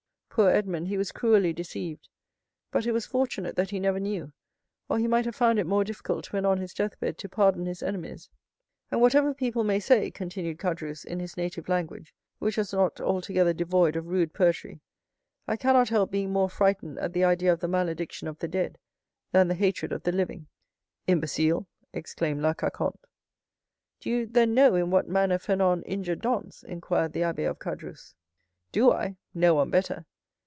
Poor Edmond, he was cruelly deceived; but it was fortunate that he never knew, or he might have found it more difficult, when on his deathbed, to pardon his enemies. And, whatever people may say," continued Caderousse, in his native language, which was not altogether devoid of rude poetry, "I cannot help being more frightened at the idea of the malediction of the dead than the hatred of the living." "Imbecile!" exclaimed La Carconte. "Do you, then, know in what manner Fernand injured Dantès?" inquired the abbé of Caderousse. "Do I? No one better."